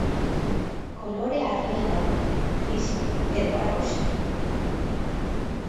Kolore argia dauka, grisa edo arrosa.